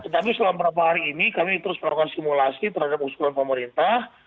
tetapi selama beberapa hari ini kami terus melakukan simulasi terhadap usulan pemerintah